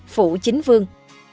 phụ chính vương